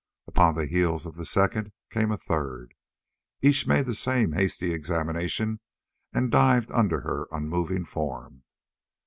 Upon the heels of the second came a third. Each made the same hasty examination and dived under her unmoving form.